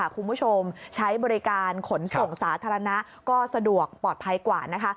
คุณผู้ชมใช้บริการขนส่งสาธารณะก็สะดวกปลอดภัยกว่านะคะ